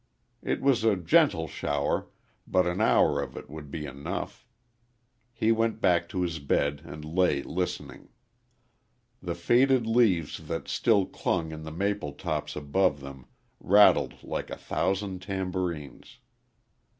It was a gentle shower but an hour of it would be enough. He went back to his bed and lay listening. The faded leaves that still clung in the maple tops above them rattled like a thousand tambourines.